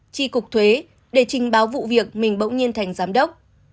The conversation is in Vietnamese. tri cục thuế để trình báo vụ việc mình bỗng nhiên thành giám đốc